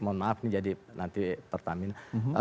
mohon maaf ini jadi nanti pertamina